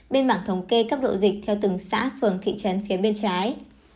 bên mảng thống kê cấp độ dịch theo từng xã phường thị trấn phía bên trái